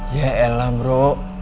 ya elah bro